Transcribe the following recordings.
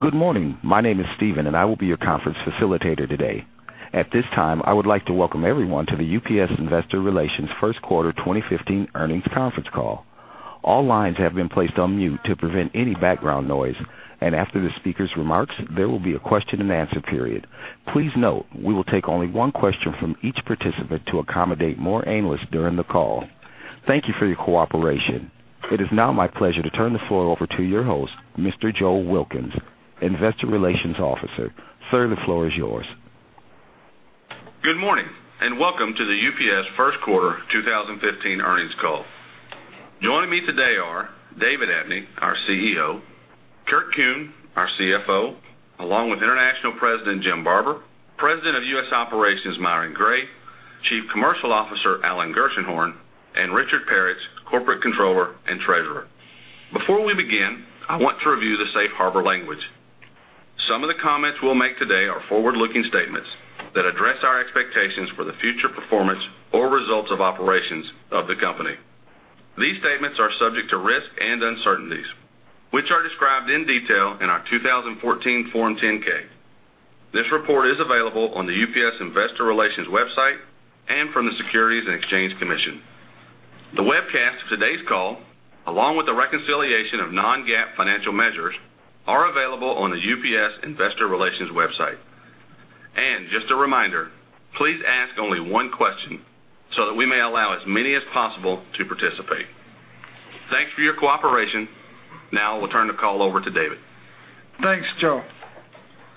Good morning. My name is Steven, and I will be your conference facilitator today. At this time, I would like to welcome everyone to the UPS Investor Relations first quarter 2015 earnings conference call. All lines have been placed on mute to prevent any background noise. After the speaker's remarks, there will be a question and answer period. Please note, we will take only one question from each participant to accommodate more analysts during the call. Thank you for your cooperation. It is now my pleasure to turn the floor over to your host, Mr. Joe Wilkins, Investor Relations Officer. Sir, the floor is yours. Good morning. Welcome to the UPS first quarter 2015 earnings call. Joining me today are David Abney, our CEO, Kurt Kuehn, our CFO, along with International President Jim Barber, President of U.S. Operations Myron Gray, Chief Commercial Officer Alan Gershenhorn, and Richard Peretz, Corporate Controller and Treasurer. Before we begin, I want to review the safe harbor language. Some of the comments we'll make today are forward-looking statements that address our expectations for the future performance or results of operations of the company. These statements are subject to risks and uncertainties, which are described in detail in our 2014 Form 10-K. This report is available on the UPS Investor Relations website and from the Securities and Exchange Commission. The webcast of today's call, along with the reconciliation of non-GAAP financial measures, are available on the UPS Investor Relations website. Just a reminder, please ask only one question so that we may allow as many as possible to participate. Thanks for your cooperation. Now I will turn the call over to David. Thanks, Joe.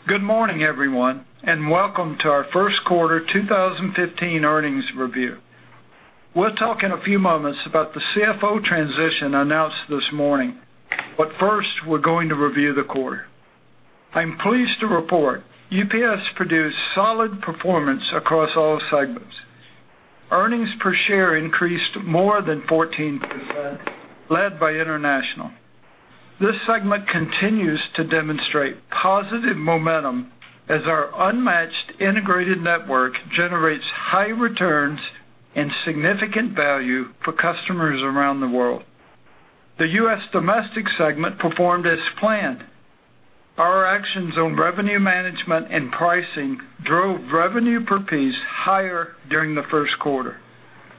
Good morning, everyone. Welcome to our first quarter 2015 earnings review. We'll talk in a few moments about the CFO transition announced this morning. First, we're going to review the quarter. I'm pleased to report UPS produced solid performance across all segments. Earnings per share increased more than 14%, led by international. This segment continues to demonstrate positive momentum as our unmatched integrated network generates high returns and significant value for customers around the world. The U.S. domestic segment performed as planned. Our actions on revenue management and pricing drove revenue per piece higher during the first quarter.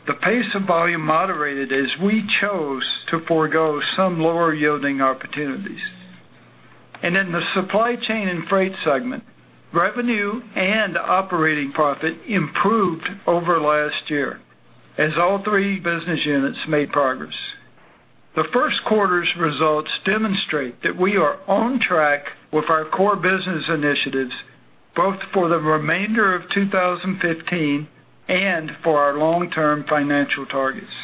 The pace of volume moderated as we chose to forego some lower-yielding opportunities. In the Supply Chain & Freight segment, revenue and operating profit improved over last year as all three business units made progress. The first quarter's results demonstrate that we are on track with our core business initiatives, both for the remainder of 2015 and for our long-term financial targets.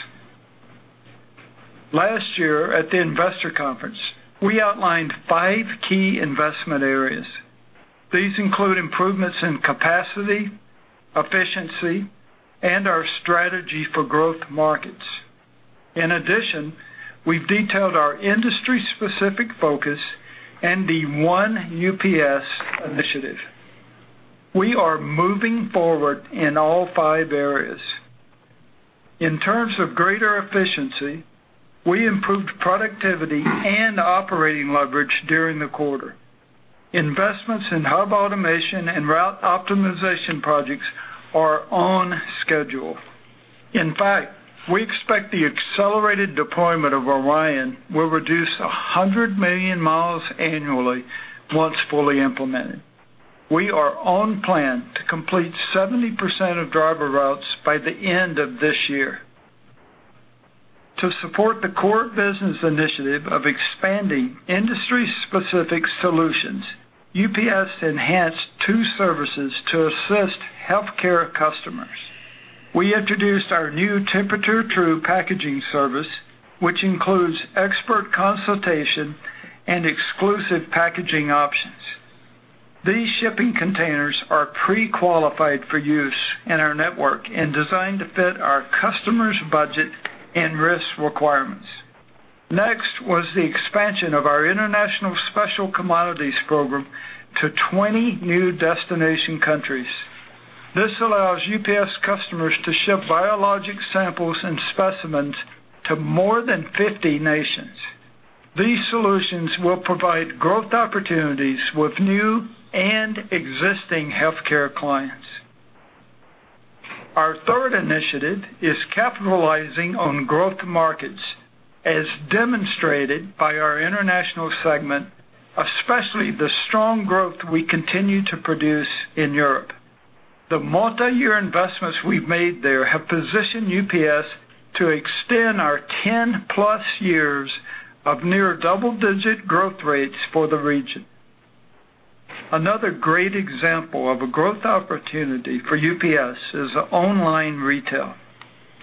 Last year at the investor conference, we outlined five key investment areas. These include improvements in capacity, efficiency, and our strategy for growth markets. In addition, we've detailed our industry-specific focus and the One UPS initiative. We are moving forward in all five areas. In terms of greater efficiency, we improved productivity and operating leverage during the quarter. Investments in hub automation and route optimization projects are on schedule. In fact, we expect the accelerated deployment of ORION will reduce 100 million miles annually once fully implemented. We are on plan to complete 70% of driver routes by the end of this year. To support the core business initiative of expanding industry-specific solutions, UPS enhanced two services to assist healthcare customers. We introduced our new Temperature True packaging service, which includes expert consultation and exclusive packaging options. These shipping containers are pre-qualified for use in our network and designed to fit our customers' budget and risk requirements. Next was the expansion of our international special commodities program to 20 new destination countries. This allows UPS customers to ship biologic samples and specimens to more than 50 nations. These solutions will provide growth opportunities with new and existing healthcare clients. Our third initiative is capitalizing on growth markets, as demonstrated by our international segment, especially the strong growth we continue to produce in Europe. The multi-year investments we've made there have positioned UPS to extend our 10-plus years of near double-digit growth rates for the region. Another great example of a growth opportunity for UPS is online retail.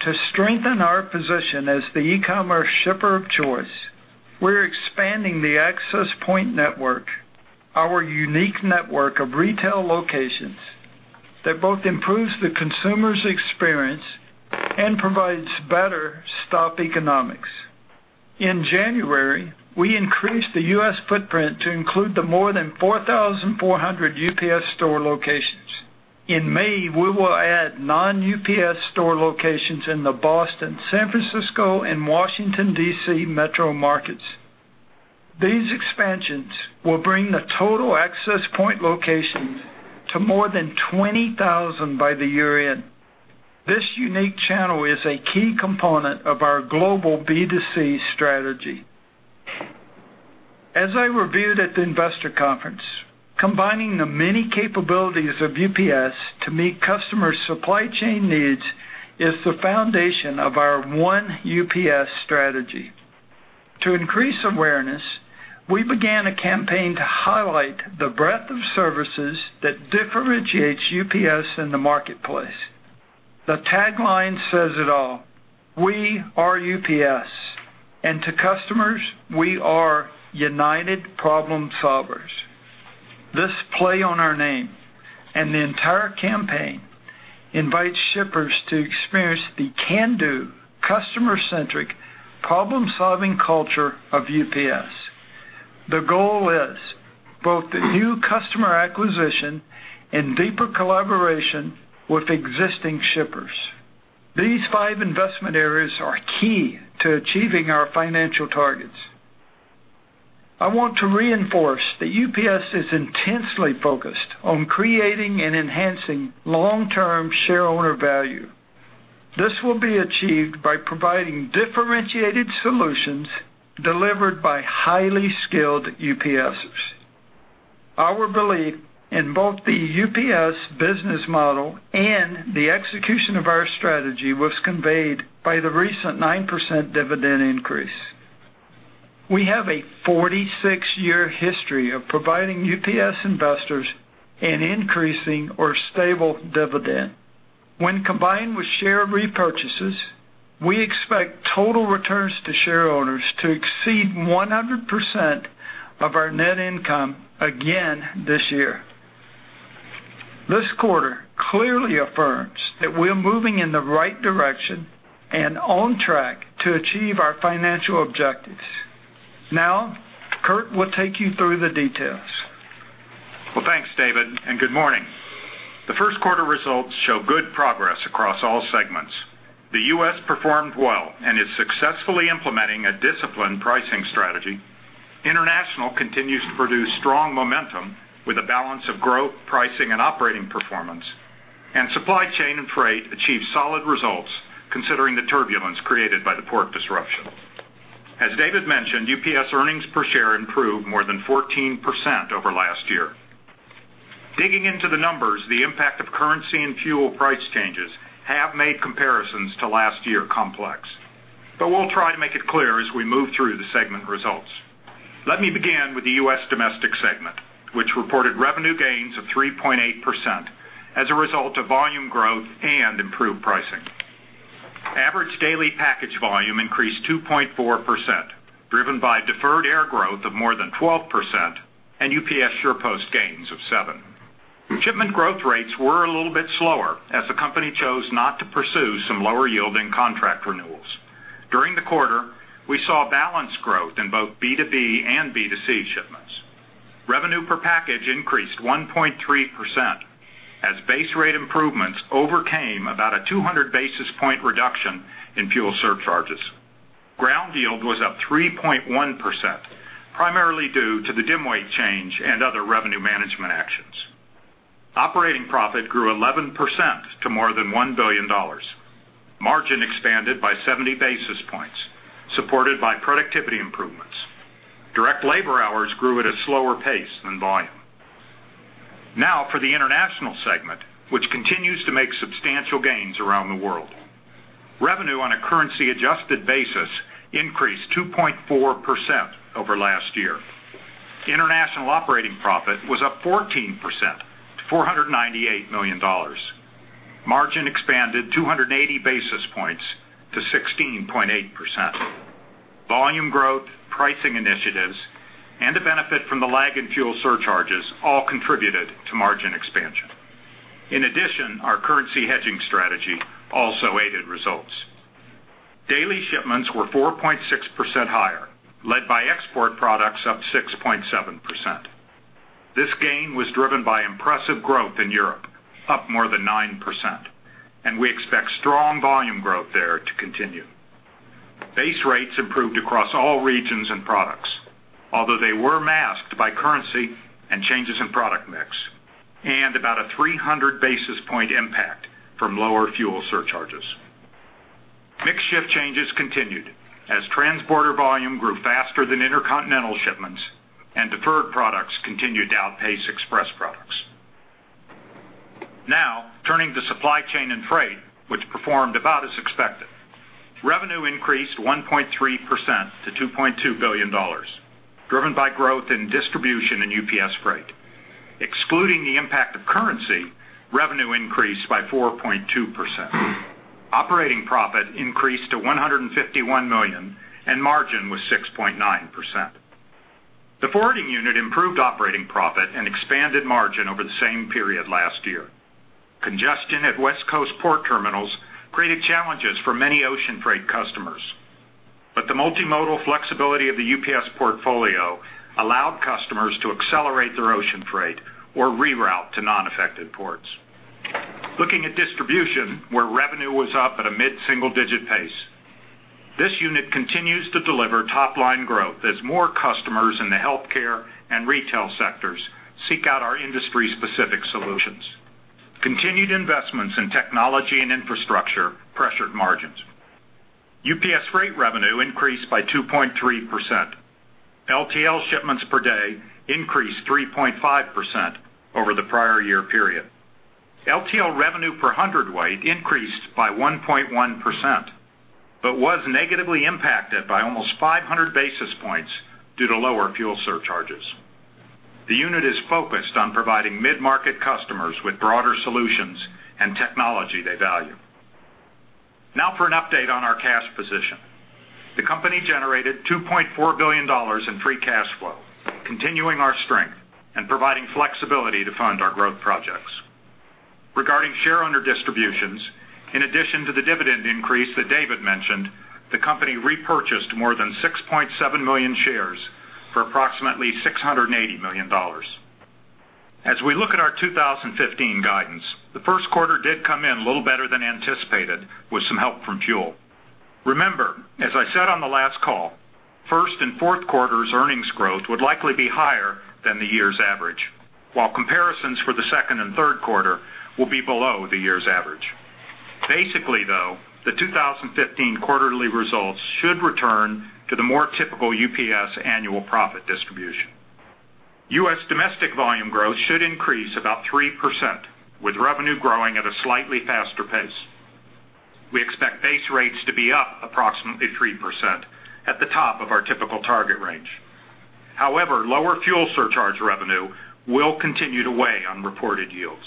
To strengthen our position as the e-commerce shipper of choice, we're expanding the Access Point network, our unique network of retail locations that both improves the consumer's experience and provides better stop economics. In January, we increased the U.S. footprint to include the more than 4,400 The UPS Store locations. In May, we will add non-UPS store locations in the Boston, San Francisco, and Washington, D.C. metro markets. These expansions will bring the total Access Point locations to more than 20,000 by the year-end. This unique channel is a key component of our global B2C strategy. As I reviewed at the investor conference, combining the many capabilities of UPS to meet customers' supply chain needs is the foundation of our One UPS strategy. To increase awareness, we began a campaign to highlight the breadth of services that differentiates UPS in the marketplace. The tagline says it all: We are UPS. To customers, we are United Problem Solvers. This play on our name and the entire campaign invites shippers to experience the can-do, customer-centric, problem-solving culture of UPS. The goal is both the new customer acquisition and deeper collaboration with existing shippers. These five investment areas are key to achieving our financial targets. I want to reinforce that UPS is intensely focused on creating and enhancing long-term share owner value. This will be achieved by providing differentiated solutions delivered by highly skilled UPSers. Our belief in both the UPS business model and the execution of our strategy was conveyed by the recent 9% dividend increase. We have a 46-year history of providing UPS investors an increasing or stable dividend. When combined with share repurchases, we expect total returns to shareholders to exceed 100% of our net income again this year. This quarter clearly affirms that we're moving in the right direction and on track to achieve our financial objectives. Kurt will take you through the details. Well, thanks, David, and good morning. The first quarter results show good progress across all segments. The U.S. performed well and is successfully implementing a disciplined pricing strategy. International continues to produce strong momentum with a balance of growth, pricing, and operating performance. Supply Chain & Freight achieved solid results considering the turbulence created by the port disruption. As David mentioned, UPS earnings per share improved more than 14% over last year. Digging into the numbers, the impact of currency and fuel price changes have made comparisons to last year complex. We'll try to make it clear as we move through the segment results. Let me begin with the U.S. domestic segment, which reported revenue gains of 3.8% as a result of volume growth and improved pricing. Average daily package volume increased 2.4%, driven by deferred air growth of more than 12% and UPS SurePost gains of seven. Shipment growth rates were a little bit slower as the company chose not to pursue some lower-yielding contract renewals. During the quarter, we saw balanced growth in both B2B and B2C shipments. Revenue per package increased 1.3% as base rate improvements overcame about a 200-basis point reduction in fuel surcharges. Ground yield was up 3.1%, primarily due to the dim weight change and other revenue management actions. Operating profit grew 11% to more than $1 billion. Margin expanded by 70 basis points, supported by productivity improvements. Direct labor hours grew at a slower pace than volume. For the international segment, which continues to make substantial gains around the world. Revenue on a currency-adjusted basis increased 2.4% over last year. International operating profit was up 14% to $498 million. Margin expanded 280 basis points to 16.8%. Volume growth, pricing initiatives, and the benefit from the lag in fuel surcharges all contributed to margin expansion. In addition, our currency hedging strategy also aided results. Daily shipments were 4.6% higher, led by export products up 6.7%. This gain was driven by impressive growth in Europe, up more than 9%, and we expect strong volume growth there to continue. Base rates improved across all regions and products, although they were masked by currency and changes in product mix, and about a 300-basis point impact from lower fuel surcharges. Mix shift changes continued as transborder volume grew faster than intercontinental shipments and deferred products continued to outpace express products. Turning to Supply Chain & Freight, which performed about as expected. Revenue increased 1.3% to $2.2 billion, driven by growth in distribution in UPS Freight. Excluding the impact of currency, revenue increased by 4.2%. Operating profit increased to $151 million, and margin was 6.9%. The forwarding unit improved operating profit and expanded margin over the same period last year. Congestion at West Coast port terminals created challenges for many ocean freight customers. The multimodal flexibility of the UPS portfolio allowed customers to accelerate their ocean freight or reroute to non-affected ports. Looking at distribution, where revenue was up at a mid-single-digit pace. This unit continues to deliver top-line growth as more customers in the healthcare and retail sectors seek out our industry-specific solutions. Continued investments in technology and infrastructure pressured margins. UPS Freight revenue increased by 2.3%. LTL shipments per day increased 3.5% over the prior year period. LTL revenue per hundredweight increased by 1.1%, but was negatively impacted by almost 500 basis points due to lower fuel surcharges. The unit is focused on providing mid-market customers with broader solutions and technology they value. Now for an update on our cash position. The company generated $2.4 billion in free cash flow, continuing our strength and providing flexibility to fund our growth projects. Regarding shareowner distributions, in addition to the dividend increase that David mentioned, the company repurchased more than 6.7 million shares for approximately $680 million. As we look at our 2015 guidance, the first quarter did come in a little better than anticipated with some help from fuel. Remember, as I said on the last call, first and fourth quarters' earnings growth would likely be higher than the year's average, while comparisons for the second and third quarter will be below the year's average. Basically, though, the 2015 quarterly results should return to the more typical UPS annual profit distribution. U.S. domestic volume growth should increase about 3%, with revenue growing at a slightly faster pace. We expect base rates to be up approximately 3% at the top of our typical target range. However, lower fuel surcharge revenue will continue to weigh on reported yields.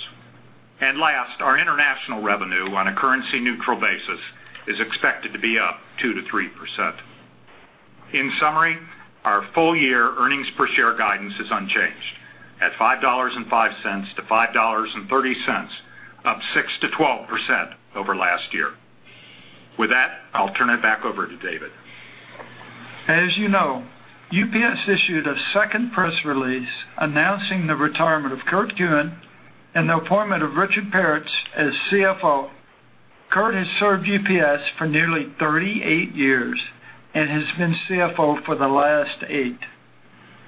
Last, our international revenue on a currency-neutral basis is expected to be up 2% to 3%. In summary, our full-year earnings per share guidance is unchanged at $5.05 to $5.30, up 6% to 12% over last year. With that, I'll turn it back over to David. As you know, UPS issued a second press release announcing the retirement of Kurt Kuehn and the appointment of Richard Peretz as CFO. Kurt has served UPS for nearly 38 years and has been CFO for the last eight.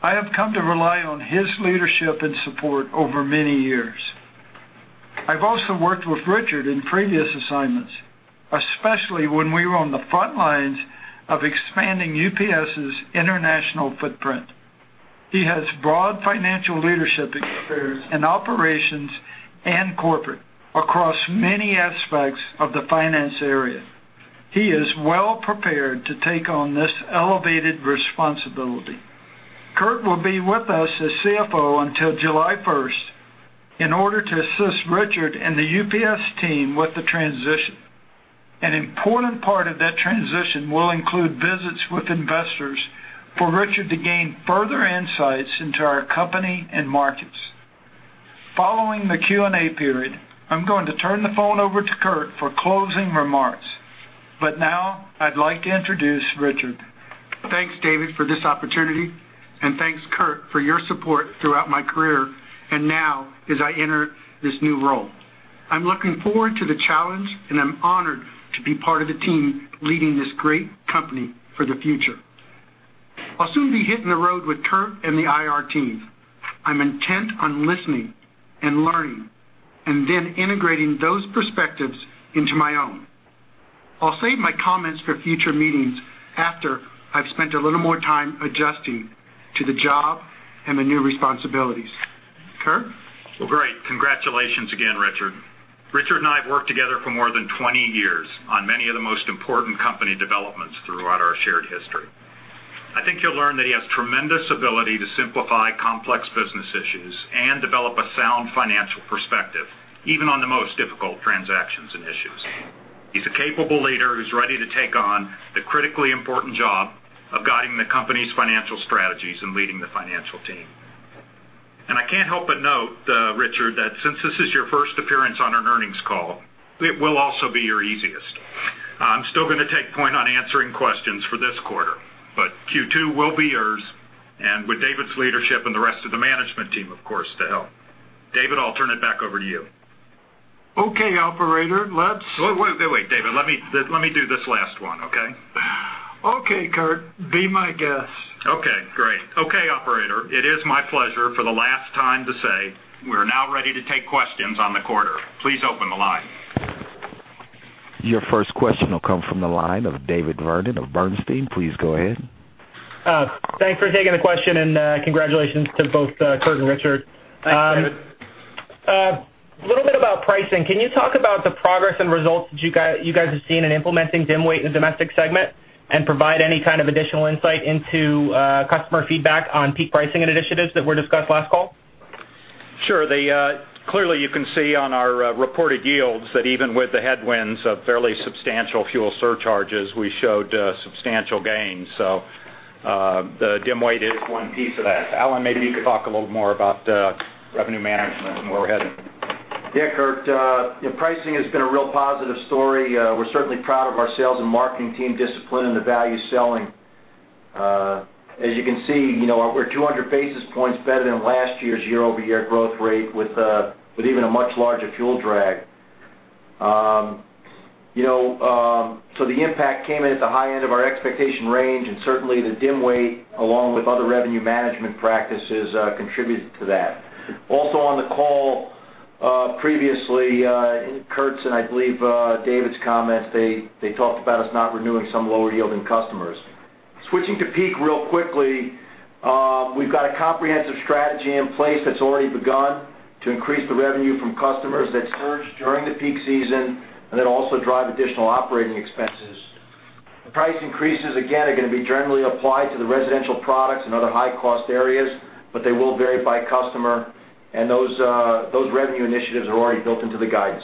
I have come to rely on his leadership and support over many years. I've also worked with Richard in previous assignments, especially when we were on the front lines of expanding UPS's international footprint. He has broad financial leadership experience in operations and corporate across many aspects of the finance area. He is well prepared to take on this elevated responsibility. Kurt will be with us as CFO until July 1st in order to assist Richard and the UPS team with the transition. An important part of that transition will include visits with investors for Richard to gain further insights into our company and markets. Following the Q&A period, I'm going to turn the phone over to Kurt for closing remarks. Now I'd like to introduce Richard. Thanks, David, for this opportunity. Thanks, Kurt, for your support throughout my career and now as I enter this new role. I'm looking forward to the challenge. I'm honored to be part of the team leading this great company for the future. I'll soon be hitting the road with Kurt and the IR team. I'm intent on listening and learning, then integrating those perspectives into my own. I'll save my comments for future meetings after I've spent a little more time adjusting to the job and the new responsibilities. Kurt? Well, great. Congratulations again, Richard. Richard and I have worked together for more than 20 years on many of the most important company developments throughout our shared history. I think you'll learn that he has tremendous ability to simplify complex business issues and develop a sound financial perspective, even on the most difficult transactions and issues. He's a capable leader who's ready to take on the critically important job of guiding the company's financial strategies and leading the financial team. I can't help but note, Richard, that since this is your first appearance on an earnings call, it will also be your easiest. I'm still going to take point on answering questions for this quarter, but Q2 will be yours, with David's leadership and the rest of the management team, of course, to help. David, I'll turn it back over to you. Okay, operator. Wait, David, let me do this last one, okay? Okay, Kurt, be my guest. Okay, great. Okay, operator, it is my pleasure for the last time to say we're now ready to take questions on the quarter. Please open the line. Your first question will come from the line of David Vernon of Bernstein. Please go ahead. Thanks for taking the question, and congratulations to both Kurt and Richard. Thanks, David. A little bit about pricing. Can you talk about the progress and results that you guys have seen in implementing dim weight in the domestic segment and provide any kind of additional insight into customer feedback on peak pricing initiatives that were discussed last call? Sure. Clearly, you can see on our reported yields that even with the headwinds of fairly substantial fuel surcharges, we showed substantial gains. The dim weight is one piece of that. Alan, maybe you could talk a little more about revenue management and where we're headed. Yeah, Kurt, pricing has been a real positive story. We're certainly proud of our sales and marketing team discipline and the value selling. As you can see, we're 200 basis points better than last year's year-over-year growth rate with even a much larger fuel drag. The impact came in at the high end of our expectation range, and certainly the dim weight, along with other revenue management practices, contributed to that. Also on the call previously, in Kurt's and I believe David's comments, they talked about us not renewing some lower yielding customers. Switching to peak real quickly, we've got a comprehensive strategy in place that's already begun to increase the revenue from customers that surge during the peak season and that also drive additional operating expenses. The price increases, again, are going to be generally applied to the residential products and other high-cost areas, but they will vary by customer, and those revenue initiatives are already built into the guidance.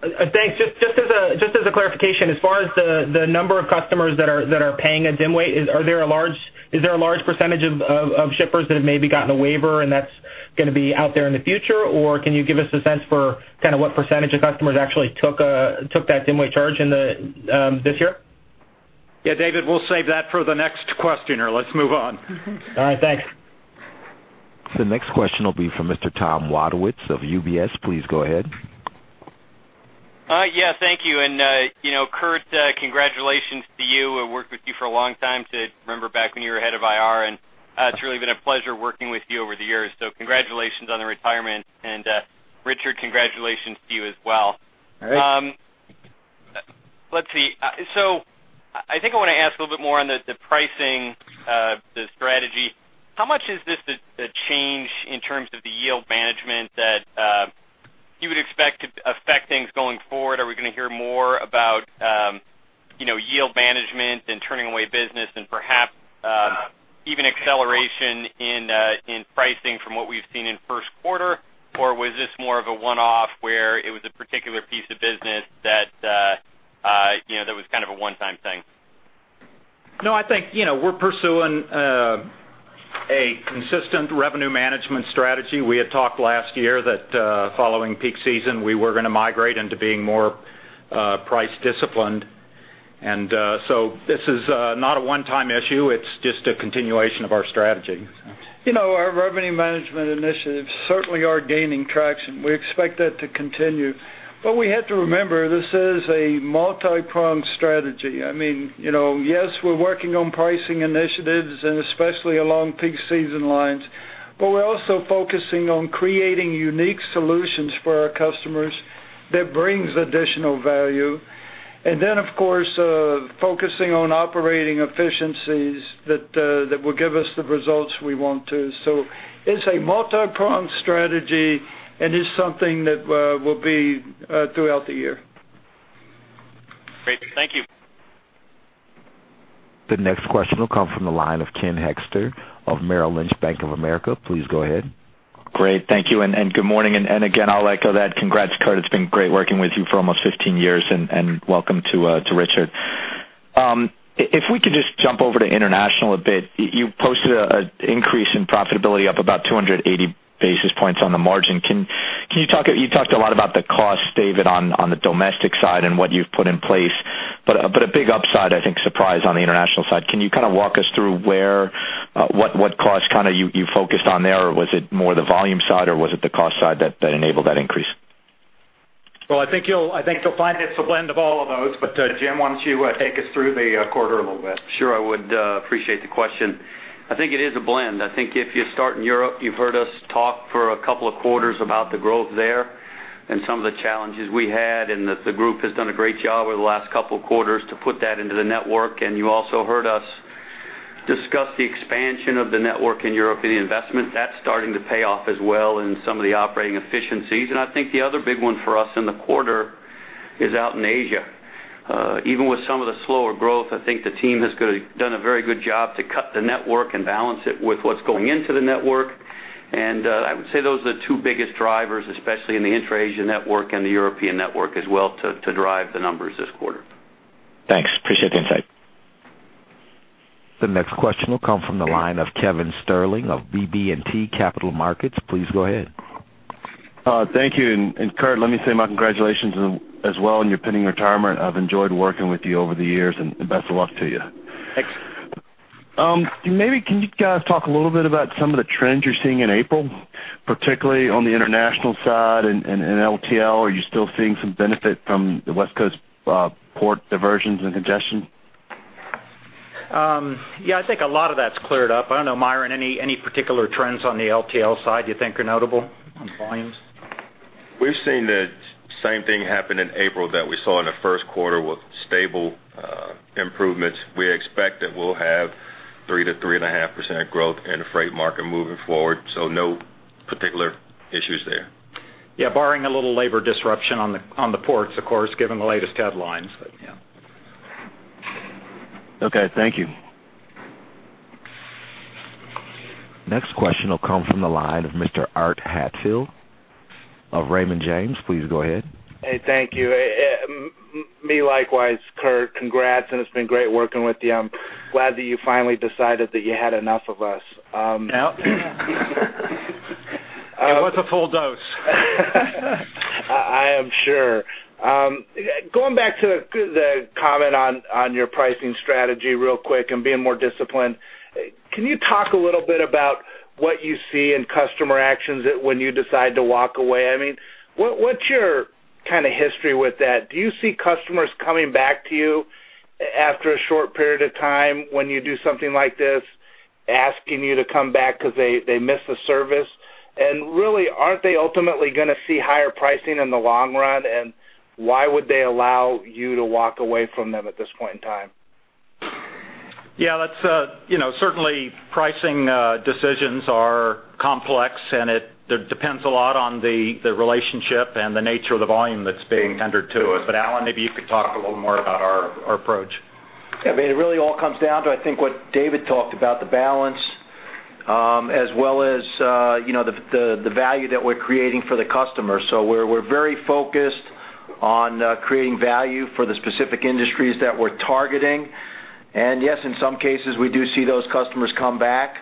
Thanks. Just as a clarification, as far as the number of customers that are paying a dim weight, is there a large % of shippers that have maybe gotten a waiver and that's going to be out there in the future? Or can you give us a sense for what % of customers actually took that dim weight charge this year? Yeah, David, we'll save that for the next questioner. Let's move on. All right, thanks. The next question will be from Mr. Thomas Wadewitz of UBS. Please go ahead. Yeah, thank you. Kurt, congratulations to you. I worked with you for a long time, remember back when you were head of IR, and it's really been a pleasure working with you over the years. Congratulations on the retirement. Richard, congratulations to you as well. All right. I think I want to ask a little bit more on the pricing, the strategy. How much is this a change in terms of the yield management that you would expect to affect things going forward? Are we going to hear more about yield management and turning away business and perhaps even acceleration in pricing from what we've seen in first quarter? Or was this more of a one-off where it was a particular piece of business that was kind of a one-time thing? No, I think we're pursuing a consistent revenue management strategy. We had talked last year that following peak season, we were going to migrate into being more price disciplined. This is not a one-time issue. It's just a continuation of our strategy. Our revenue management initiatives certainly are gaining traction. We expect that to continue. We have to remember, this is a multi-pronged strategy. Yes, we're working on pricing initiatives, and especially along peak season lines, but we're also focusing on creating unique solutions for our customers that brings additional value. Of course, focusing on operating efficiencies that will give us the results we want too. It's a multi-pronged strategy, and it's something that will be throughout the year. Great. Thank you. The next question will come from the line of Ken Hoexter of Bank of America Merrill Lynch. Please go ahead. Great. Thank you, good morning. Again, I'll echo that. Congrats, Kurt. It's been great working with you for almost 15 years, and welcome to Richard. If we could just jump over to international a bit. You posted an increase in profitability up about 280 basis points on the margin. You talked a lot about the cost, David, on the domestic side and what you've put in place, but a big upside, I think, surprise on the international side. Can you walk us through what cost you focused on there? Was it more the volume side, or was it the cost side that enabled that increase? Well, I think you'll find it's a blend of all of those. Jim, why don't you take us through the quarter a little bit? Sure. I would appreciate the question. I think it is a blend. I think if you start in Europe, you've heard us talk for a couple of quarters about the growth there and some of the challenges we had, that the group has done a great job over the last couple of quarters to put that into the network. You also heard us discuss the expansion of the network in European investment. That's starting to pay off as well in some of the operating efficiencies. I think the other big one for us in the quarter is out in Asia. Even with some of the slower growth, I think the team has done a very good job to cut the network and balance it with what's going into the network. I would say those are the two biggest drivers, especially in the intra-Asia network and the European network as well, to drive the numbers this quarter. Thanks. Appreciate the insight. The next question will come from the line of Kevin Sterling of BB&T Capital Markets. Please go ahead. Thank you. Kurt, let me say my congratulations as well on your pending retirement. I've enjoyed working with you over the years, and best of luck to you. Thanks. Can you guys talk a little bit about some of the trends you're seeing in April, particularly on the international side and in LTL? Are you still seeing some benefit from the West Coast port diversions and congestion? I think a lot of that's cleared up. I don't know, Myron, any particular trends on the LTL side you think are notable on volumes? We've seen the same thing happen in April that we saw in the first quarter with stable improvements. We expect that we'll have 3%-3.5% growth in the freight market moving forward. No particular issues there. Barring a little labor disruption on the ports, of course, given the latest headlines. Yeah. Okay. Thank you. Next question will come from the line of Mr. Art Hatfield of Raymond James. Please go ahead. Hey, thank you. Me likewise, Kurt. Congrats, it's been great working with you. I'm glad that you finally decided that you had enough of us. Out. It was a full dose. I am sure. Going back to the comment on your pricing strategy real quick and being more disciplined, can you talk a little bit about what you see in customer actions when you decide to walk away? What's your history with that? Do you see customers coming back to you after a short period of time when you do something like this, asking you to come back because they missed the service? Really, aren't they ultimately going to see higher pricing in the long run? Why would they allow you to walk away from them at this point in time? Yeah. Certainly, pricing decisions are complex, and it depends a lot on the relationship and the nature of the volume that's being tendered to us. Alan, maybe you could talk a little more about our approach. Yeah. It really all comes down to, I think, what David talked about, the balance as well as the value that we're creating for the customer. We're very focused on creating value for the specific industries that we're targeting. Yes, in some cases, we do see those customers come back.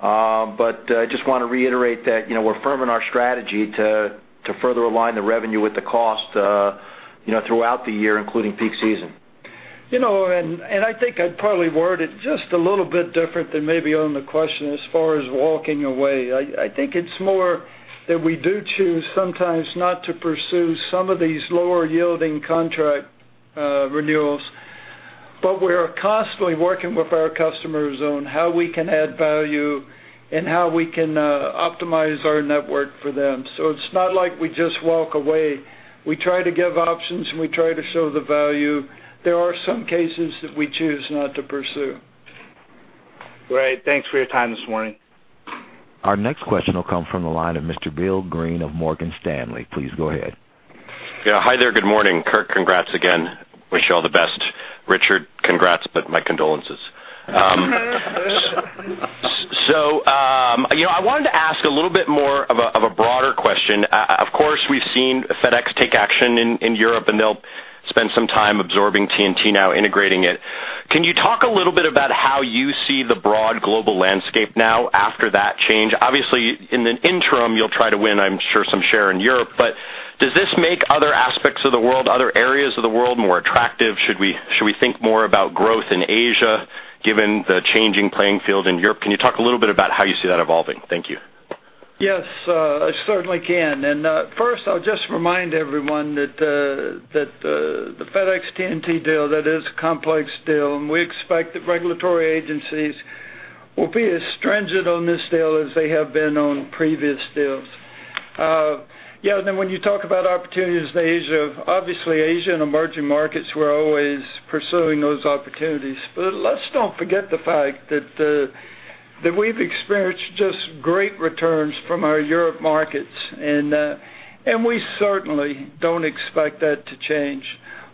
I just want to reiterate that we're firm in our strategy to further align the revenue with the cost throughout the year, including peak season. I think I'd probably word it just a little bit different than maybe on the question as far as walking away. I think it's more that we do choose sometimes not to pursue some of these lower-yielding contract renewals, but we're constantly working with our customers on how we can add value and how we can optimize our network for them. It's not like we just walk away. We try to give options, and we try to show the value. There are some cases that we choose not to pursue. Great. Thanks for your time this morning. Our next question will come from the line of Mr. William Greene of Morgan Stanley. Please go ahead. Hi there. Good morning. Kurt, congrats again. Wish you all the best. Richard, congrats, but my condolences. I wanted to ask a little bit more of a broader question. Of course, we've seen FedEx take action in Europe, and they'll spend some time absorbing TNT, now integrating it. Can you talk a little bit about how you see the broad global landscape now after that change? Obviously, in the interim, you'll try to win, I'm sure, some share in Europe, but does this make other aspects of the world, other areas of the world, more attractive? Should we think more about growth in Asia given the changing playing field in Europe? Can you talk a little bit about how you see that evolving? Thank you. Yes. I certainly can. First, I'll just remind everyone that the FedEx TNT deal, that is a complex deal, and we expect that regulatory agencies will be as stringent on this deal as they have been on previous deals. When you talk about opportunities in Asia, obviously Asia and emerging markets, we're always pursuing those opportunities. Let's don't forget the fact that we've experienced just great returns from our Europe markets, and we certainly don't expect that to change.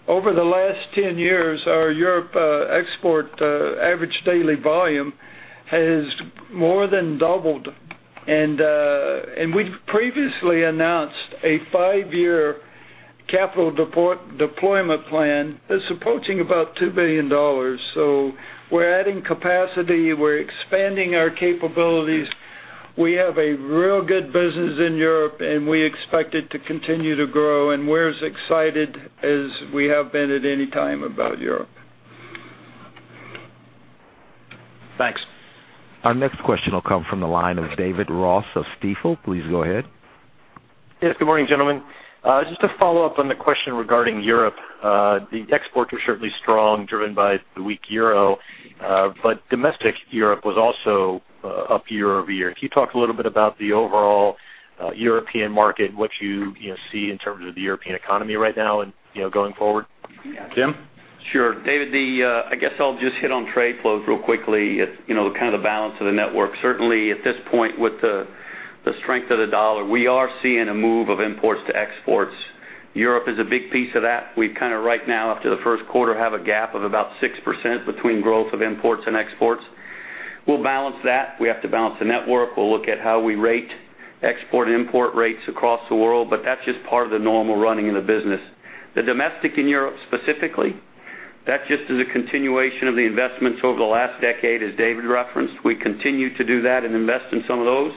Over the last 10 years, our Europe export average daily volume has more than doubled, and we've previously announced a five-year capital deployment plan that's approaching about $2 billion. We're adding capacity. We're expanding our capabilities. We have a real good business in Europe, and we expect it to continue to grow, and we're as excited as we have been at any time about Europe. Thanks. Our next question will come from the line of David Ross of Stifel. Please go ahead. Yes. Good morning, gentlemen. Just to follow up on the question regarding Europe. The exports are certainly strong, driven by the weak euro, but domestic Europe was also up year-over-year. Can you talk a little bit about the overall European market and what you see in terms of the European economy right now and going forward? Jim? Sure. David, I guess I'll just hit on trade flow real quickly, kind of the balance of the network. Certainly, at this point, with the strength of the dollar, we are seeing a move of imports to exports. Europe is a big piece of that. We've kind of right now, after the first quarter, have a gap of about 6% between growth of imports and exports. We'll balance that. We have to balance the network. We'll look at how we rate export and import rates across the world, but that's just part of the normal running of the business. The domestic in Europe specifically, that just is a continuation of the investments over the last decade, as David referenced. We continue to do that and invest in some of those.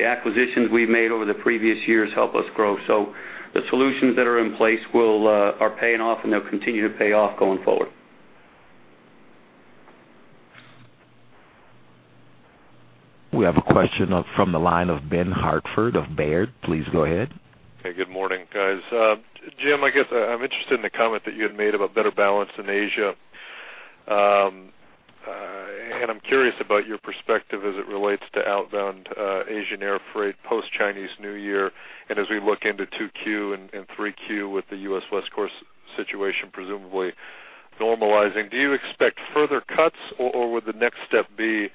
The acquisitions we've made over the previous years help us grow. The solutions that are in place are paying off, and they'll continue to pay off going forward. We have a question from the line of Benjamin Hartford of Baird. Please go ahead. Good morning, guys. Jim, I guess I'm interested in the comment that you had made about better balance in Asia. I'm curious about your perspective as it relates to outbound Asian air freight post-Chinese New Year, and as we look into 2Q and 3Q with the U.S. West Coast situation presumably normalizing. Do you expect further cuts, or would the next step be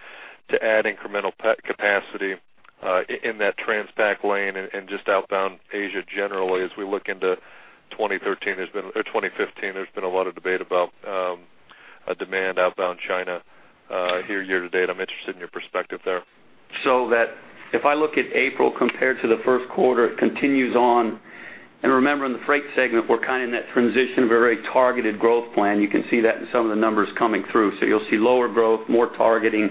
to add incremental capacity in that Transpac lane and just outbound Asia generally as we look into 2015? There's been a lot of debate about demand outbound China here year to date. I'm interested in your perspective there. That if I look at April compared to the first quarter, it continues on Remember, in the freight segment, we're kind of in that transition of a very targeted growth plan. You can see that in some of the numbers coming through. You'll see lower growth, more targeting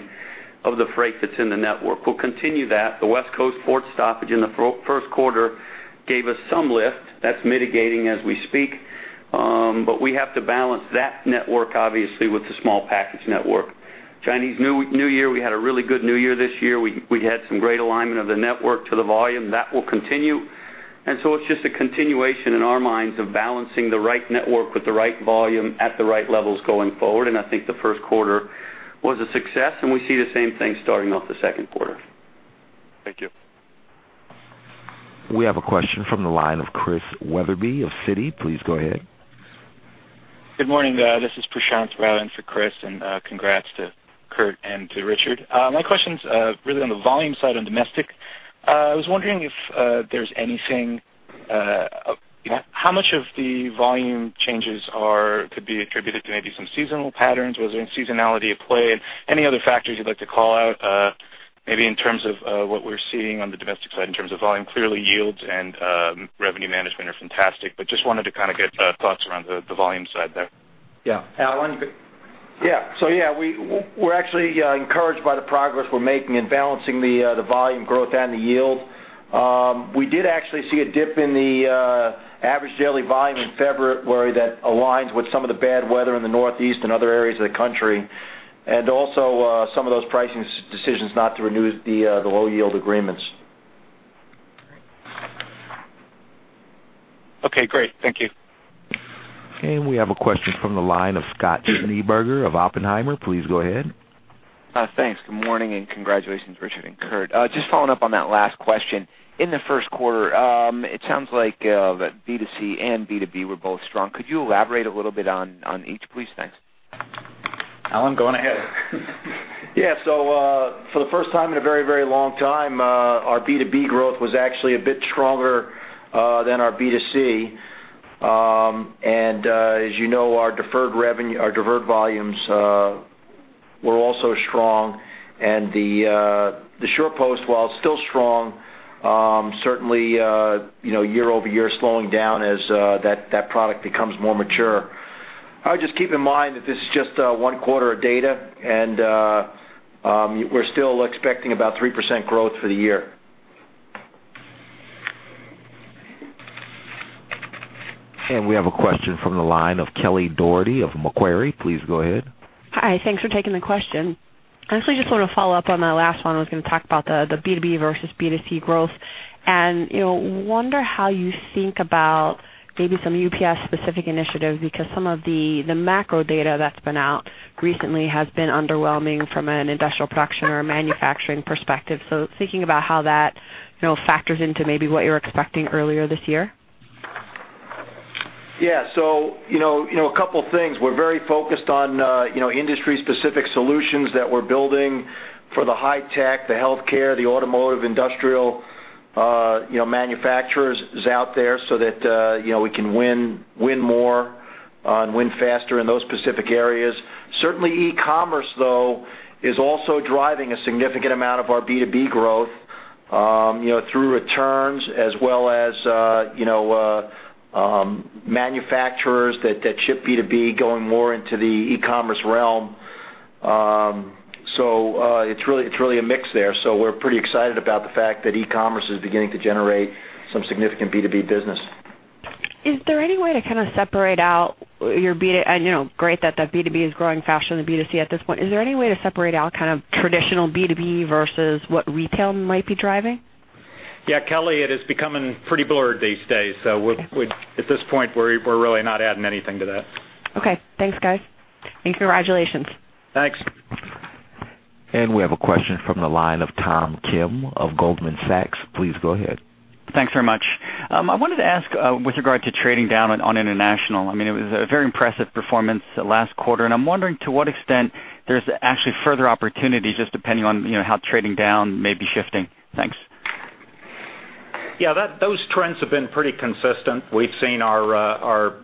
of the freight that's in the network. We'll continue that. The U.S. West Coast port stoppage in the first quarter gave us some lift. That's mitigating as we speak. We have to balance that network, obviously, with the small package network. Chinese New Year, we had a really good New Year this year. We had some great alignment of the network to the volume. That will continue. It's just a continuation in our minds of balancing the right network with the right volume at the right levels going forward, and I think the first quarter was a success, and we see the same thing starting off the second quarter. Thank you. We have a question from the line of Christian Wetherbee of Citi. Please go ahead. Good morning. This is Prashant Rao in for Chris, and congrats to Kurt and to Richard. My question's really on the volume side on domestic. How much of the volume changes could be attributed to maybe some seasonal patterns? Was there any seasonality at play? Any other factors you'd like to call out, maybe in terms of what we're seeing on the domestic side in terms of volume? Clearly, yields and revenue management are fantastic, just wanted to kind of get thoughts around the volume side there. Yeah. Alan? Yeah, we're actually encouraged by the progress we're making in balancing the volume growth and the yield. We did actually see a dip in the average daily volume in February that aligns with some of the bad weather in the Northeast and other areas of the country. Also, some of those pricing decisions not to renew the low-yield agreements. Okay, great. Thank you. We have a question from the line of Scott Schneeberger of Oppenheimer. Please go ahead. Thanks. Good morning, and congratulations, Richard and Kurt. Just following up on that last question. In the first quarter, it sounds like B2C and B2B were both strong. Could you elaborate a little bit on each, please? Thanks. Alan, go on ahead. For the first time in a very, very long time, our B2B growth was actually a bit stronger than our B2C. As you know, our deferred volumes were also strong, and the UPS SurePost, while still strong, certainly year-over-year, slowing down as that product becomes more mature. I would just keep in mind that this is just one quarter of data, and we're still expecting about 3% growth for the year. We have a question from the line of Kelly Dougherty of Macquarie. Please go ahead. Hi. Thanks for taking the question. I actually just want to follow up on my last one. I was going to talk about the B2B versus B2C growth. Wonder how you think about maybe some UPS specific initiatives, because some of the macro data that's been out recently has been underwhelming from an industrial production or a manufacturing perspective. Thinking about how that factors into maybe what you were expecting earlier this year. A couple of things. We're very focused on industry-specific solutions that we're building for the high tech, the healthcare, the automotive, industrial manufacturers out there so that we can win more and win faster in those specific areas. Certainly, e-commerce, though, is also driving a significant amount of our B2B growth through returns as well as manufacturers that ship B2B going more into the e-commerce realm. It's really a mix there. We're pretty excited about the fact that e-commerce is beginning to generate some significant B2B business. Great that that B2B is growing faster than the B2C at this point. Is there any way to separate out kind of traditional B2B versus what retail might be driving? Yeah, Kelly, it is becoming pretty blurred these days, so at this point, we're really not adding anything to that. Okay. Thanks, guys. Congratulations. Thanks. We have a question from the line of Tom Kim of Goldman Sachs. Please go ahead. Thanks very much. I wanted to ask with regard to trading down on international. It was a very impressive performance last quarter, and I'm wondering to what extent there's actually further opportunity, just depending on how trading down may be shifting. Thanks. Yeah, those trends have been pretty consistent. We've seen our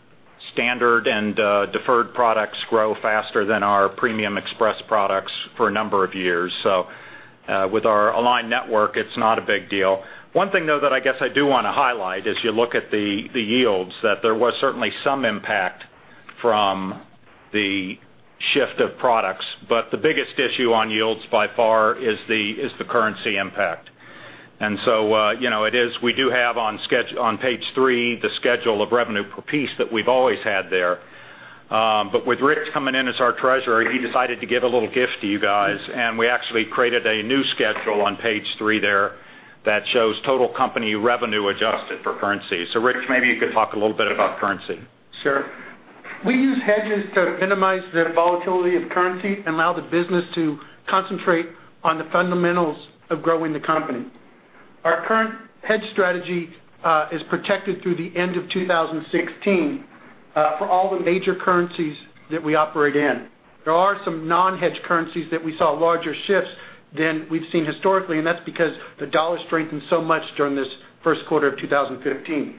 standard and deferred products grow faster than our premium express products for a number of years. With our aligned network, it's not a big deal. One thing, though, that I guess I do want to highlight as you look at the yields, that there was certainly some impact from the shift of products. The biggest issue on yields by far is the currency impact. We do have on page three the schedule of revenue per piece that we've always had there. With Rich coming in as our treasurer, he decided to give a little gift to you guys, and we actually created a new schedule on page three there that shows total company revenue adjusted for currency. Rich, maybe you could talk a little bit about currency. Sure. We use hedges to minimize the volatility of currency and allow the business to concentrate on the fundamentals of growing the company. Our current hedge strategy is protected through the end of 2016 for all the major currencies that we operate in. There are some non-hedge currencies that we saw larger shifts than we've seen historically, and that's because the dollar strengthened so much during this first quarter of 2015.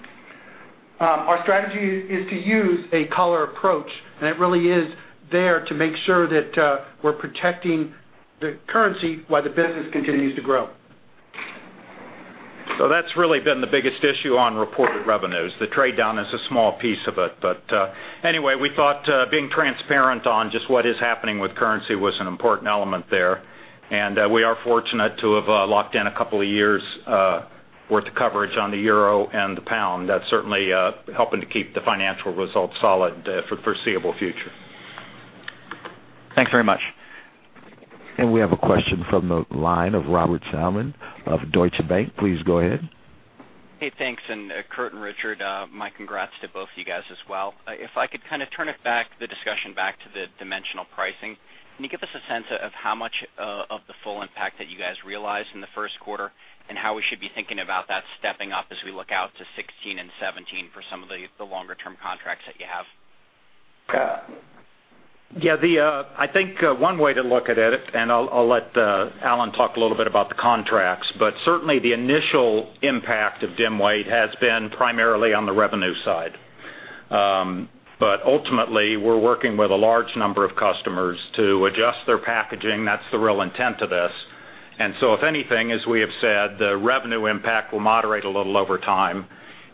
Our strategy is to use a collar approach, it really is there to make sure that we're protecting The currency, while the business continues to grow. That's really been the biggest issue on reported revenues. The trade down is a small piece of it. Anyway, we thought being transparent on just what is happening with currency was an important element there. We are fortunate to have locked in a couple of years' worth of coverage on the euro and the pound. That's certainly helping to keep the financial results solid for the foreseeable future. Thanks very much. We have a question from the line of Robert Salmon of Deutsche Bank. Please go ahead. Hey, thanks. Kurt and Richard, my congrats to both of you guys as well. If I could kind of turn the discussion back to the dimensional pricing. Can you give us a sense of how much of the full impact that you guys realized in the first quarter, and how we should be thinking about that stepping up as we look out to 2016 and 2017 for some of the longer-term contracts that you have? Yeah. I think one way to look at it, I'll let Alan talk a little bit about the contracts, certainly the initial impact of dim weight has been primarily on the revenue side. Ultimately, we're working with a large number of customers to adjust their packaging. That's the real intent of this. If anything, as we have said, the revenue impact will moderate a little over time,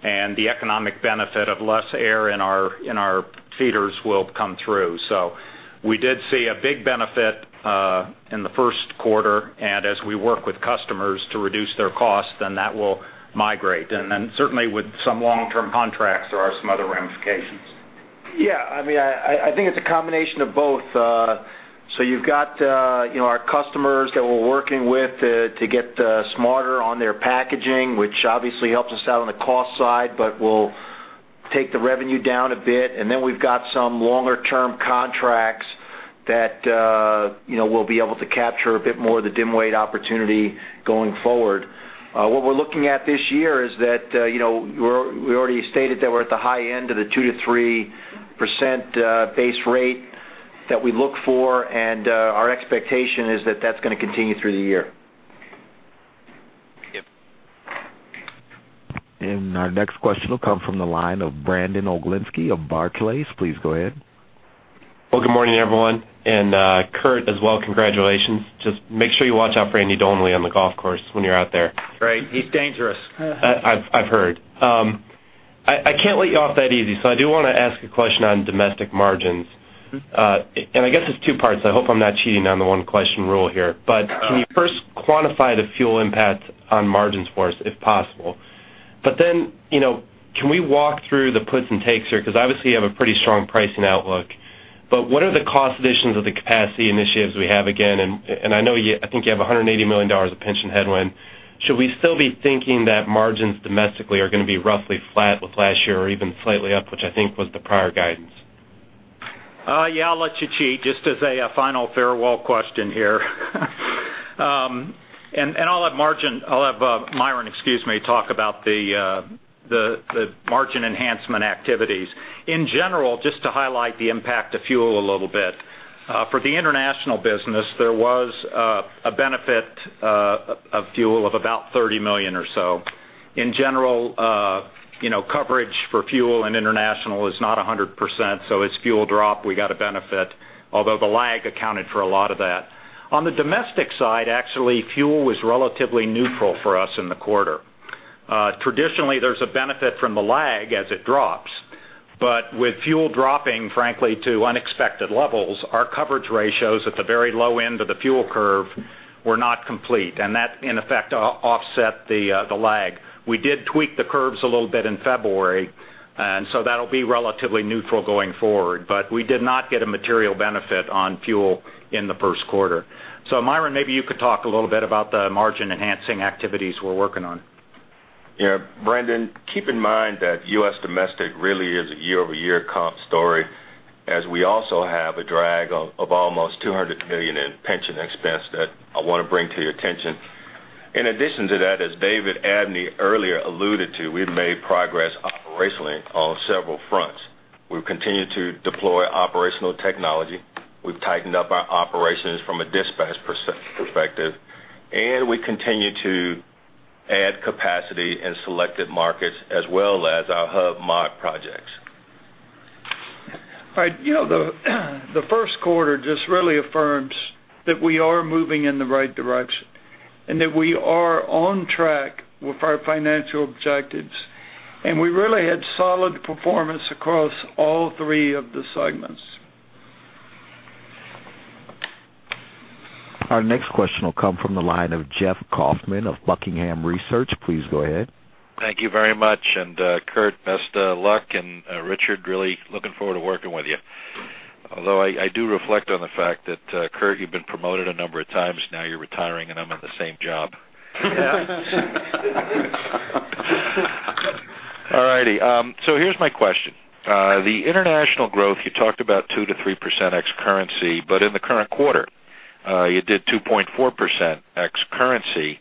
and the economic benefit of less air in our feeders will come through. We did see a big benefit in the first quarter. As we work with customers to reduce their costs, that will migrate. Certainly with some long-term contracts, there are some other ramifications. Yeah. I think it's a combination of both. You've got our customers that we're working with to get smarter on their packaging, which obviously helps us out on the cost side, but will take the revenue down a bit. We've got some longer-term contracts that we'll be able to capture a bit more of the dim weight opportunity going forward. What we're looking at this year is that we already stated that we're at the high end of the 2%-3% base rate that we look for, and our expectation is that that's going to continue through the year. Yep. Our next question will come from the line of Brandon Oglenski of Barclays. Please go ahead. Well, good morning, everyone. Kurt as well, congratulations. Just make sure you watch out for Andy Donnelly on the golf course when you're out there. Right. He's dangerous. I've heard. I can't let you off that easy. I do want to ask a question on domestic margins. I guess it's two parts. I hope I'm not cheating on the one-question rule here. Can you first quantify the fuel impact on margins for us, if possible? Then, can we walk through the puts and takes here? Obviously, you have a pretty strong pricing outlook. What are the cost additions of the capacity initiatives we have again? I think you have $180 million of pension headwind. Should we still be thinking that margins domestically are going to be roughly flat with last year or even slightly up, which I think was the prior guidance? Yeah, I'll let you cheat just as a final farewell question here. I'll have Myron, excuse me, talk about the margin enhancement activities. In general, just to highlight the impact of fuel a little bit. For the international business, there was a benefit of fuel of about $30 million or so. In general, coverage for fuel in international is not 100%, as fuel drop, we got a benefit, although the lag accounted for a lot of that. On the domestic side, actually, fuel was relatively neutral for us in the quarter. Traditionally, there's a benefit from the lag as it drops. With fuel dropping, frankly, to unexpected levels, our coverage ratios at the very low end of the fuel curve were not complete. That, in effect, offset the lag. We did tweak the curves a little bit in February. That'll be relatively neutral going forward. We did not get a material benefit on fuel in the first quarter. Myron, maybe you could talk a little bit about the margin-enhancing activities we're working on. Yeah. Brandon Oglenski, keep in mind that U.S. domestic really is a year-over-year comp story, as we also have a drag of almost $200 million in pension expense that I want to bring to your attention. In addition to that, as David Abney earlier alluded to, we've made progress operationally on several fronts. We've continued to deploy operational technology. We've tightened up our operations from a dispatch perspective. We continue to add capacity in selected markets as well as our hub mod projects. All right. The first quarter just really affirms that we are moving in the right direction and that we are on track with our financial objectives. We really had solid performance across all three of the segments. Our next question will come from the line of Jeff Kauffman of Buckingham Research. Please go ahead. Thank you very much. Kurt, best luck. Richard Peretz, really looking forward to working with you. Although I do reflect on the fact that, Kurt, you've been promoted a number of times, now you're retiring and I'm at the same job. All right. Here's my question. The international growth, you talked about 2%-3% ex-currency, but in the current quarter, you did 2.4% ex-currency.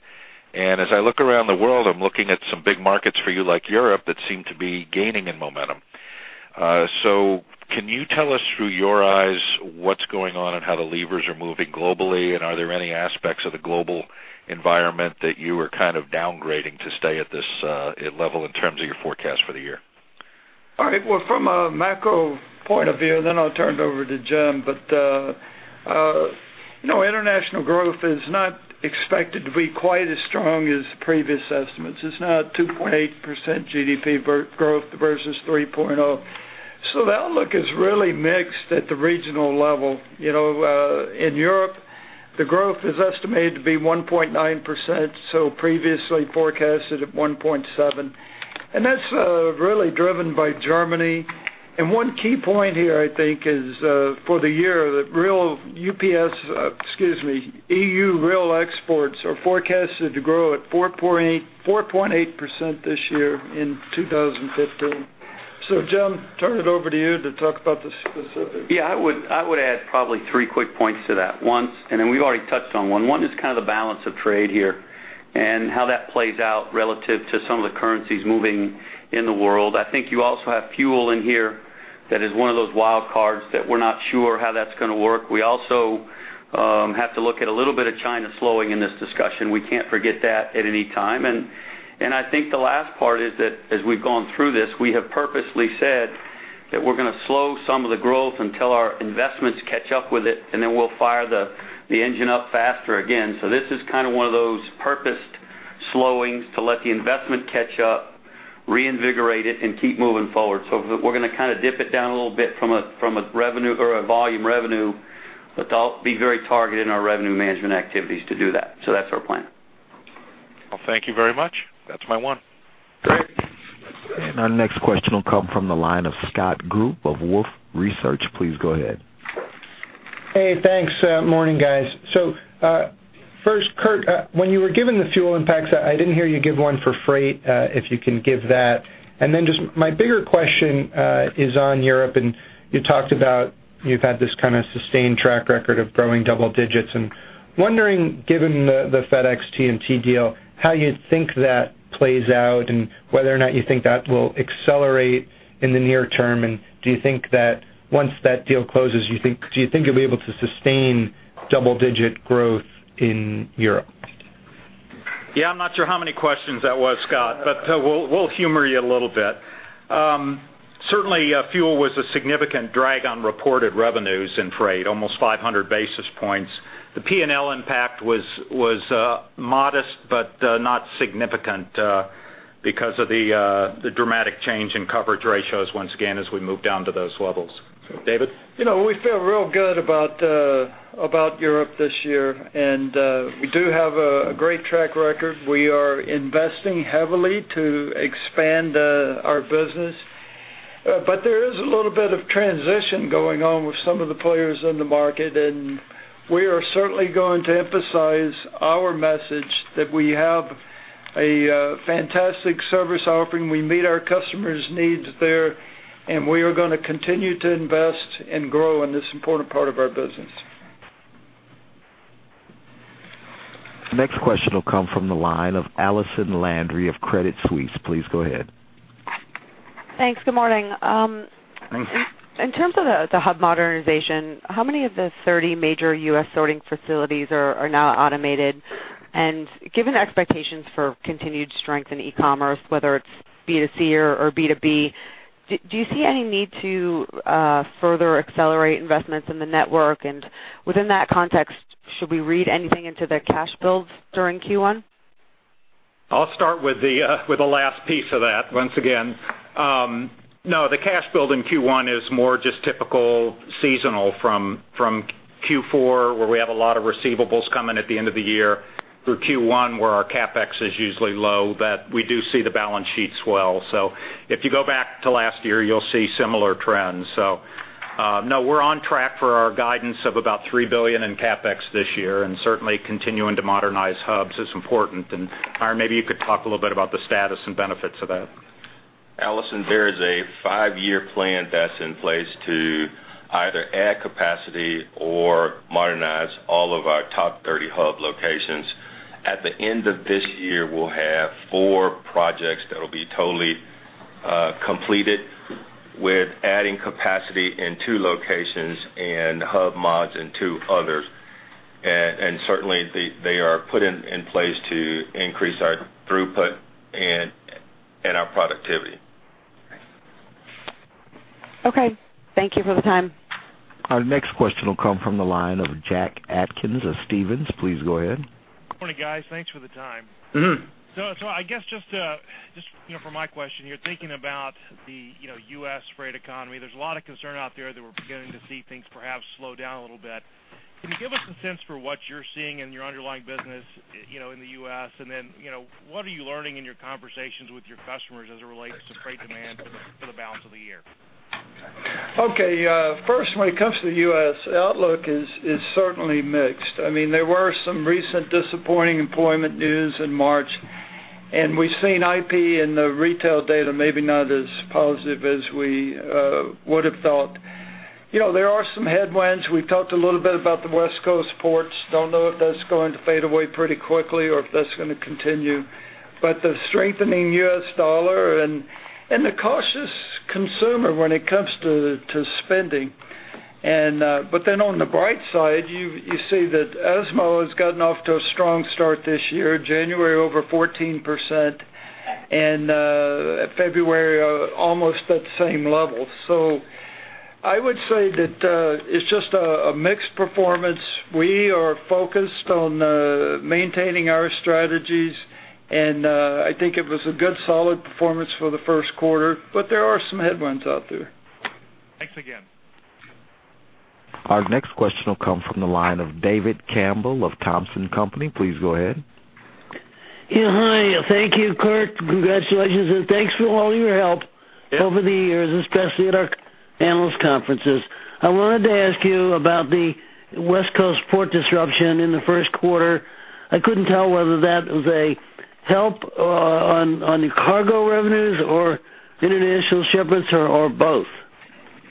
As I look around the world, I'm looking at some big markets for you, like Europe, that seem to be gaining in momentum. Can you tell us through your eyes what's going on and how the levers are moving globally? Are there any aspects of the global environment that you are kind of downgrading to stay at this level in terms of your forecast for the year? All right. From a macro point of view, I'll turn it over to Jim. International growth is not expected to be quite as strong as previous estimates. It's now 2.8% GDP growth versus 3.0. The outlook is really mixed at the regional level. In Europe, the growth is estimated to be 1.9%, so previously forecasted at 1.7. That's really driven by Germany. One key point here, I think, is for the year, the real UPS, excuse me, EU real exports are forecasted to grow at 4.8% this year in 2015. Jim, turn it over to you to talk about the specifics. Yeah. I would add probably three quick points to that. One, we've already touched on one. One is kind of the balance of trade here, and how that plays out relative to some of the currencies moving in the world. I think you also have fuel in here. That is one of those wild cards that we're not sure how that's going to work. We also have to look at a little bit of China slowing in this discussion. We can't forget that at any time. I think the last part is that as we've gone through this, we have purposely said that we're going to slow some of the growth until our investments catch up with it, and then we'll fire the engine up faster again. This is kind of one of those purposed slowings to let the investment catch up, reinvigorate it, and keep moving forward. We're going to kind of dip it down a little bit from a volume revenue, but be very targeted in our revenue management activities to do that. That's our plan. Thank you very much. That's my one. Great. Our next question will come from the line of Scott Group of Wolfe Research. Please go ahead. Hey, thanks. Morning, guys. First, Kurt, when you were given the fuel impacts, I didn't hear you give one for freight, if you can give that. Just my bigger question is on Europe, and you talked about you've had this kind of sustained track record of growing double digits. Wondering, given the FedEx TNT deal, how you think that plays out and whether or not you think that will accelerate in the near term. Do you think that once that deal closes, do you think you'll be able to sustain double-digit growth in Europe? Yeah, I'm not sure how many questions that was, Scott, but we'll humor you a little bit. Certainly, fuel was a significant drag on reported revenues in freight, almost 500 basis points. The P&L impact was modest, but not significant because of the dramatic change in coverage ratios once again as we move down to those levels. David? We feel real good about Europe this year, and we do have a great track record. We are investing heavily to expand our business. There is a little bit of transition going on with some of the players in the market, and we are certainly going to emphasize our message that we have a fantastic service offering. We meet our customers' needs there, and we are going to continue to invest and grow in this important part of our business. Next question will come from the line of Allison Landry of Credit Suisse. Please go ahead. Thanks. Good morning. Morning. In terms of the hub modernization, how many of the 30 major U.S. sorting facilities are now automated? Given expectations for continued strength in e-commerce, whether it's B2C or B2B, do you see any need to further accelerate investments in the network? Within that context, should we read anything into the cash builds during Q1? I'll start with the last piece of that, once again. No, the cash build in Q1 is more just typical seasonal from Q4, where we have a lot of receivables coming at the end of the year, through Q1, where our CapEx is usually low, but we do see the balance sheet swell. If you go back to last year, you'll see similar trends. No, we're on track for our guidance of about $3 billion in CapEx this year, certainly continuing to modernize hubs is important. Myron, maybe you could talk a little bit about the status and benefits of that. Allison, there is a five-year plan that's in place to either add capacity or modernize all of our top 30 hub locations. At the end of this year, we'll have four projects that'll be totally completed with adding capacity in two locations and hub mods in two others. Certainly, they are put in place to increase our throughput and our productivity. Okay. Thank you for the time. Our next question will come from the line of Jack Atkins of Stephens. Please go ahead. Morning, guys. Thanks for the time. I guess just for my question here, thinking about the U.S. freight economy, there's a lot of concern out there that we're beginning to see things perhaps slow down a little bit. Can you give us a sense for what you're seeing in your underlying business in the U.S., and then what are you learning in your conversations with your customers as it relates to freight demand for the balance of the year? Okay. First, when it comes to the U.S., outlook is certainly mixed. There were some recent disappointing employment news in March. We've seen IP and the retail data maybe not as positive as we would have thought. There are some headwinds. We've talked a little bit about the West Coast ports. Don't know if that's going to fade away pretty quickly or if that's going to continue. The strengthening U.S. dollar and the cautious consumer when it comes to spending On the bright side, you see that auto sales has gotten off to a strong start this year, January over 14%, and February almost at the same level. I would say that it's just a mixed performance. We are focused on maintaining our strategies, and I think it was a good, solid performance for the first quarter, but there are some headwinds out there. Thanks again. Our next question will come from the line of David Campbell of Thompson Company. Please go ahead. Yeah, hi. Thank you, Kurt. Congratulations, thanks for all your help over the years, especially at our analyst conferences. I wanted to ask you about the West Coast port disruption in the first quarter. I couldn't tell whether that was a help on the cargo revenues or international shipments or both?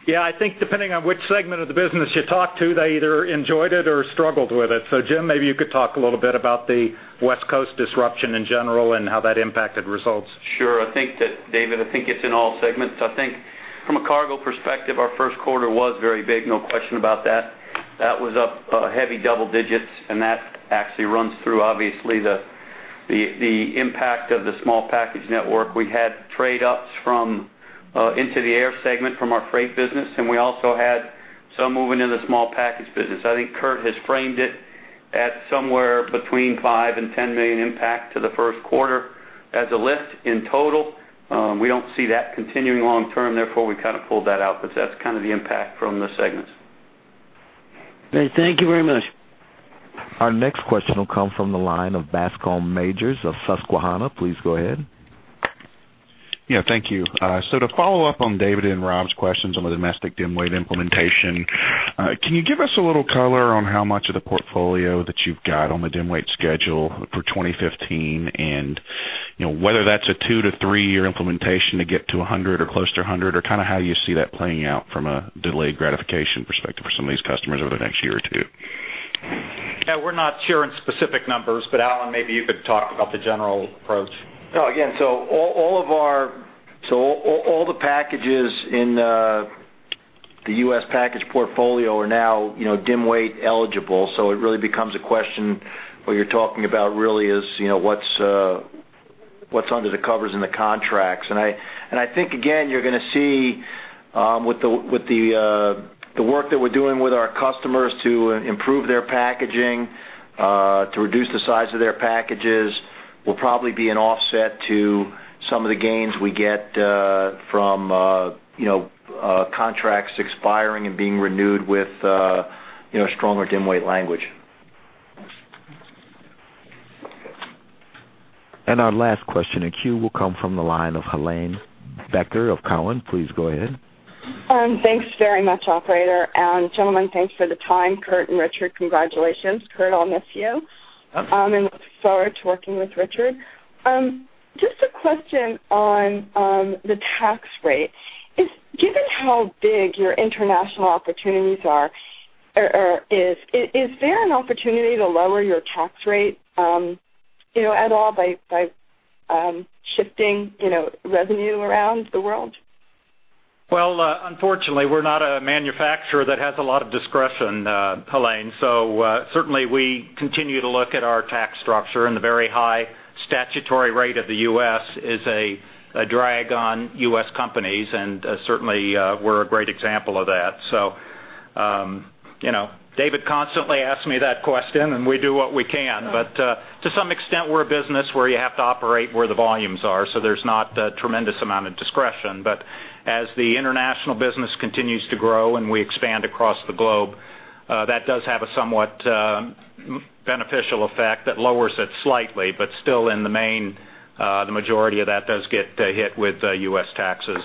I think depending on which segment of the business you talk to, they either enjoyed it or struggled with it. Jim, maybe you could talk a little bit about the West Coast disruption in general and how that impacted results. Sure. David, I think it's in all segments. I think from a cargo perspective, our first quarter was very big, no question about that. That actually was up heavy double digits, and that actually runs through, obviously, the impact of the small package network. We had trade ups from into the air segment from our freight business. We also had some moving in the small package business. I think Kurt has framed it at somewhere between $5 million and $10 million impact to the first quarter as a lift in total. We don't see that continuing long term. We kind of pulled that out, but that's kind of the impact from the segments. Great. Thank you very much. Our next question will come from the line of Bascom Majors of Susquehanna. Please go ahead. Yeah, thank you. To follow up on David and Rob's questions on the domestic dim weight implementation, can you give us a little color on how much of the portfolio that you've got on the dim weight schedule for 2015 and whether that's a two to three-year implementation to get to 100% or close to 100%, or kind of how you see that playing out from a delayed gratification perspective for some of these customers over the next year or two? Yeah, we're not sharing specific numbers, Alan, maybe you could talk about the general approach. Again, all the packages in the U.S. package portfolio are now dim weight eligible. It really becomes a question, what you're talking about really is what's under the covers in the contracts. I think, again, you're going to see with the work that we're doing with our customers to improve their packaging, to reduce the size of their packages, will probably be an offset to some of the gains we get from contracts expiring and being renewed with stronger dim weight language. Our last question in queue will come from the line of Helane Becker of Cowen. Please go ahead. Thanks very much, operator. Gentlemen, thanks for the time. Kurt and Richard, congratulations. Kurt, I'll miss you and look forward to working with Richard. Just a question on the tax rate. Given how big your international opportunities are or is there an opportunity to lower your tax rate at all by shifting revenue around the world? Well, unfortunately, we're not a manufacturer that has a lot of discretion, Helane. Certainly, we continue to look at our tax structure and the very high statutory rate of the U.S. is a drag on U.S. companies, and certainly, we're a great example of that. David constantly asks me that question, and we do what we can. To some extent, we're a business where you have to operate where the volumes are, so there's not a tremendous amount of discretion. As the international business continues to grow and we expand across the globe, that does have a somewhat beneficial effect that lowers it slightly, but still in the main, the majority of that does get hit with U.S. taxes.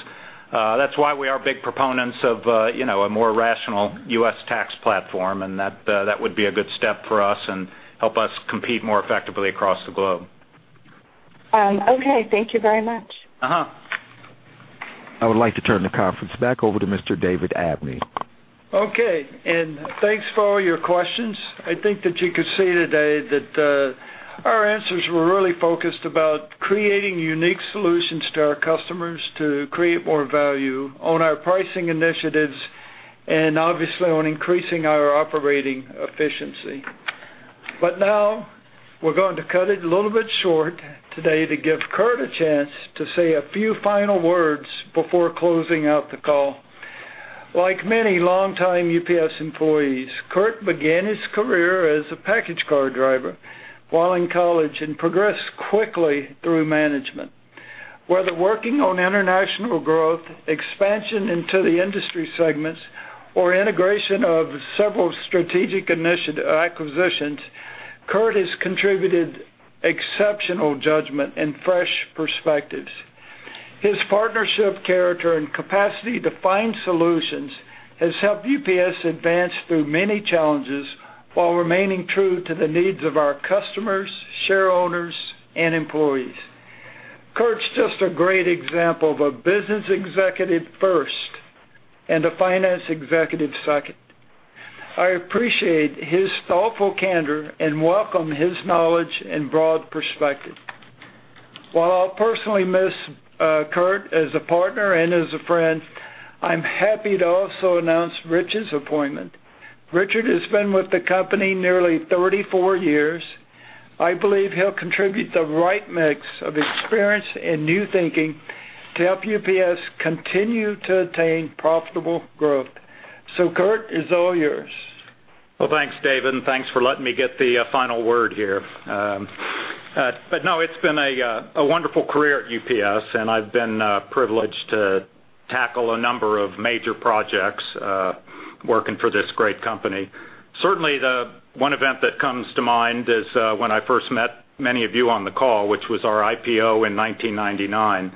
That's why we are big proponents of a more rational U.S. tax platform, that would be a good step for us and help us compete more effectively across the globe. Okay. Thank you very much. I would like to turn the conference back over to Mr. David Abney. Okay, thanks for all your questions. I think that you could see today that our answers were really focused about creating unique solutions to our customers to create more value on our pricing initiatives and obviously on increasing our operating efficiency. Now we're going to cut it a little bit short today to give Kurt a chance to say a few final words before closing out the call. Like many longtime UPS employees, Kurt began his career as a package car driver while in college and progressed quickly through management. Whether working on international growth, expansion into the industry segments, or integration of several strategic initiative acquisitions, Kurt has contributed exceptional judgment and fresh perspectives. His partnership character and capacity to find solutions has helped UPS advance through many challenges while remaining true to the needs of our customers, shareholders, and employees. Kurt's just a great example of a business executive first and a finance executive second. I appreciate his thoughtful candor and welcome his knowledge and broad perspective. While I'll personally miss Kurt as a partner and as a friend, I'm happy to also announce Rich's appointment. Richard has been with the company nearly 34 years. I believe he'll contribute the right mix of experience and new thinking to help UPS continue to attain profitable growth. Kurt, it's all yours. Thanks, David, and thanks for letting me get the final word here. No, it's been a wonderful career at UPS, and I've been privileged to tackle a number of major projects working for this great company. Certainly, the one event that comes to mind is when I first met many of you on the call, which was our IPO in 1999,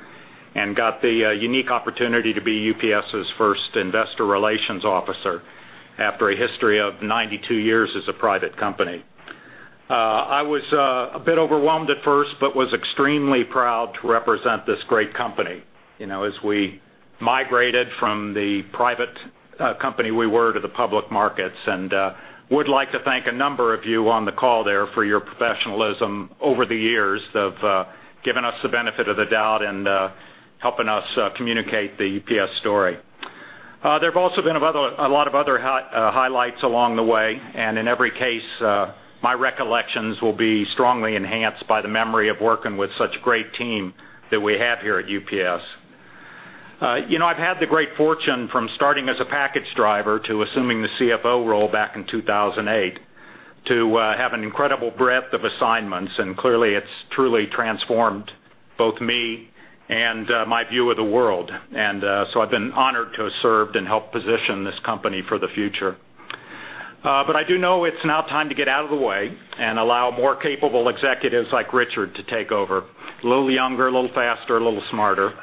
and got the unique opportunity to be UPS's first Investor Relations Officer after a history of 92 years as a private company. I was a bit overwhelmed at first but was extremely proud to represent this great company as we migrated from the private company we were to the public markets. Would like to thank a number of you on the call there for your professionalism over the years of giving us the benefit of the doubt and helping us communicate the UPS story. There have also been a lot of other highlights along the way, and in every case, my recollections will be strongly enhanced by the memory of working with such a great team that we have here at UPS. I've had the great fortune from starting as a package driver to assuming the CFO role back in 2008 to have an incredible breadth of assignments. Clearly, it's truly transformed both me and my view of the world. I've been honored to have served and helped position this company for the future. I do know it's now time to get out of the way and allow more capable executives like Richard to take over. A little younger, a little faster, a little smarter.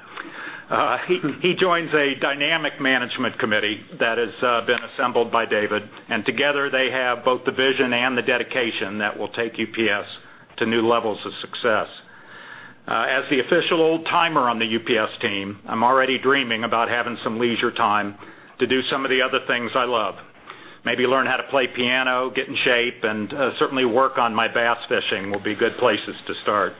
He joins a dynamic management committee that has been assembled by David, and together they have both the vision and the dedication that will take UPS to new levels of success. As the official old-timer on the UPS team, I'm already dreaming about having some leisure time to do some of the other things I love. Maybe learn how to play piano, get in shape, and certainly work on my bass fishing will be good places to start.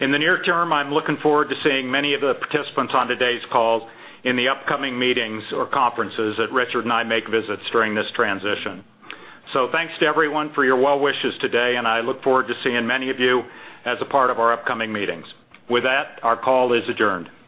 In the near term, I'm looking forward to seeing many of the participants on today's call in the upcoming meetings or conferences that Richard and I make visits during this transition. Thanks to everyone for your well wishes today, and I look forward to seeing many of you as a part of our upcoming meetings. With that, our call is adjourned.